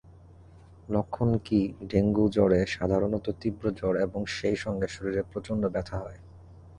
লক্ষণ কীডেঙ্গুজ্বরে সাধারণত তীব্র জ্বর এবং সেই সঙ্গে শরীরে প্রচণ্ড ব্যথা হয়।